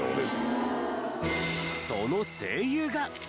その声優が。